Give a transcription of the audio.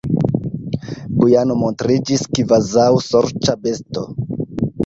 Bujano montriĝis kvazaŭ sorĉa besto.